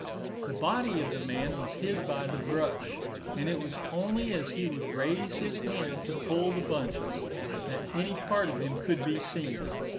The body of the man was hid by the brush, and it was only as he would raise his hand to pull the bunches, that any part of him could be seen.